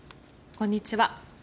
こんにちは。